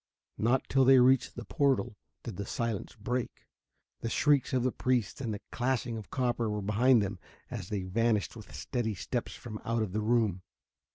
Not till they reached the portal did the silence break. The shrieks of the priests and the clashing of copper were behind them, as they vanished with steady steps from out the room.